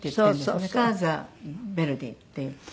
カーザ・ヴェルディっていう。